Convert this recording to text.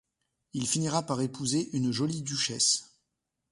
Il finira par épouser une jolie duchesse.